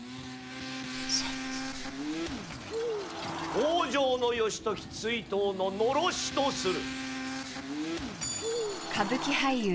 北条義時追討の狼煙とする。